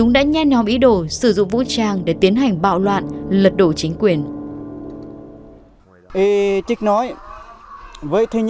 đã nhen nhóm ý đồ sử dụng vũ trang để tiến hành bạo loạn lật đổ chính quyền